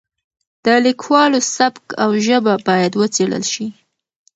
د لیکوالو سبک او ژبه باید وڅېړل شي.